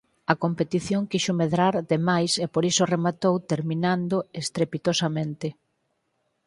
A competición quixo medrar demais e por iso rematou terminando estrepitosamente.